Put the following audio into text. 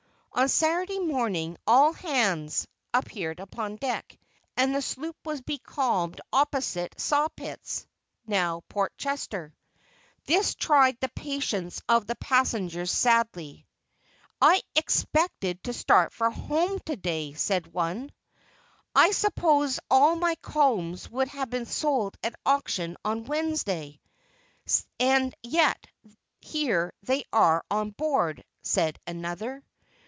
On Saturday morning "all hands" appeared upon deck, and the sloop was becalmed opposite Sawpits (now Port Chester)! This tried the patience of the passengers sadly. "I expected to start for home to day," said one. "I supposed all my combs would have been sold at auction on Wednesday, and yet here they are on board," said another.